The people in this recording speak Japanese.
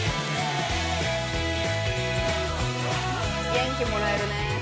元気もらえるね。